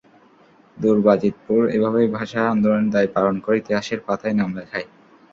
দূর বাজিতপুর এভাবেই ভাষা আন্দোলনের দায় পালন করে, ইতিহাসের পাতায় নাম লেখায়।